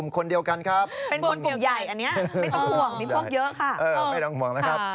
ไม่ต้องห่วงนะครับ